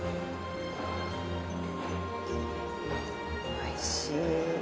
おいしい。